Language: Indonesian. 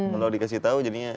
kalau dikasih tahu jadinya